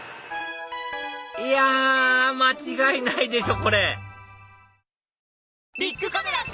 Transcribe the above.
いや間違いないでしょ！